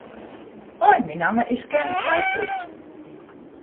Hoi, myn namme is Ken Saitou.